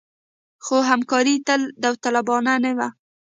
خو همکاري تل داوطلبانه نه وه.